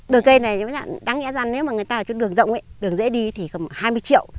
đường cây này đáng nghĩa rằng nếu mà người ta ở trên đường rộng đường dễ đi thì gần hai mươi triệu